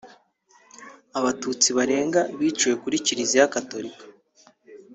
Abatutsi barenga biciwe kuri Kiliziya Gatorika